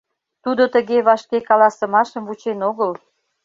Тудо тыге вашке каласымашым вучен огыл.